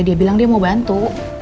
dia bilang dia mau bantu